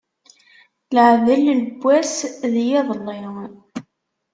Iaɛdel n wass d yiḍelli.